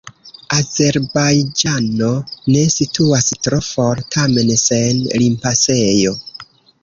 Azerbajĝano ne situas tro for, tamen sen limpasejo.